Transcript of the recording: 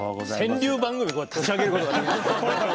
川柳番組立ち上げることができる。